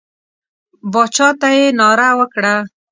باچا ته یې ناره وکړه.